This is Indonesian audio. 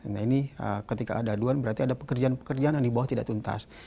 nah ini ketika ada aduan berarti ada pekerjaan pekerjaan yang di bawah tidak tuntas